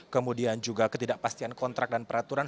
kemudian juga ketidakpastian kontrak dan peraturan